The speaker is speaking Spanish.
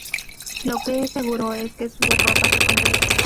Lo que es seguro es que su derrota fue completa.